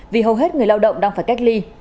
vì hầu hết người lao động đang phải cách ly